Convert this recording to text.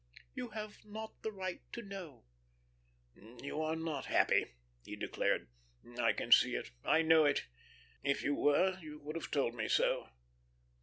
"You have not the right to know." "You are not happy," he declared. "I can see it, I know it. If you were, you would have told me so....